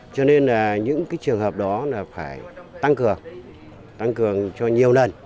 cho nên là những trường hợp đó là phải tăng cường tăng cường cho nhiều lần